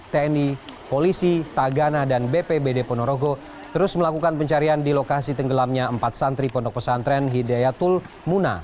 tni polisi tagana dan bpbd ponorogo terus melakukan pencarian di lokasi tenggelamnya empat santri pondok pesantren hidayatul muna